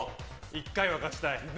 １回は勝ちたい！